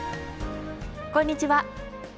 こんにちは。